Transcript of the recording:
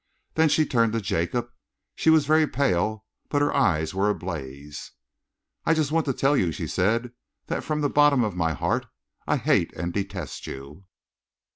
Then she turned to Jacob. She was very pale but her eyes were ablaze. "I just want to tell you," she said, "that from the bottom of my heart I hate and detest you."